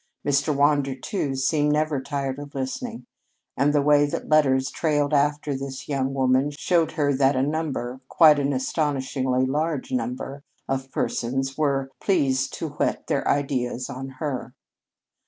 Mr. Wander, too, seemed never tired of listening; and the way that letters trailed after this young woman showed her that a number quite an astonishingly large number of persons were pleased to whet their ideas on her.